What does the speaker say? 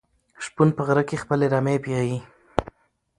شپون په غره کې خپلې رمې پيايي.